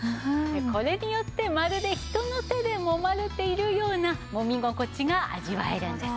これによってまるで人の手でもまれているようなもみ心地が味わえるんです。